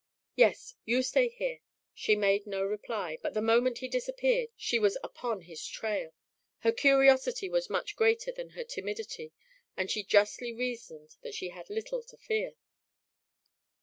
"Yes. You stay here." She made no reply, but the moment he disappeared she was upon his trail. Her curiosity was much greater than her timidity, and she justly reasoned that she had little to fear.